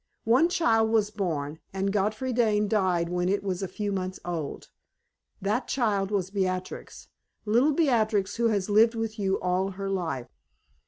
One child was born, and Godfrey Dane died when it was a few months old. That child was Beatrix little Beatrix who has lived with you all her life.